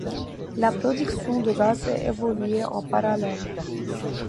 La production de gaz a évolué en parallèle.